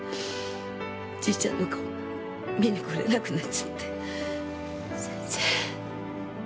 じいちゃんの顔見に来れなくなっちゃって先生